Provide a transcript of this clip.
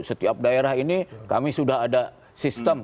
setiap daerah ini kami sudah ada sistem